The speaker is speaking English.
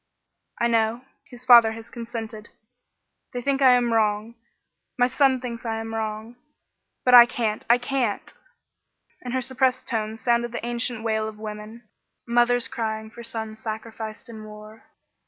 "I know. His father has consented; they think I am wrong. My son thinks I am wrong. But I can't! I can't!" In her suppressed tones sounded the ancient wail of women mothers crying for their sons sacrificed in war.